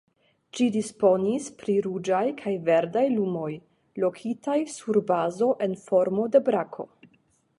Ĝi disponis pri ruĝaj kaj verdaj lumoj, lokitaj sur bazo en formo de brako.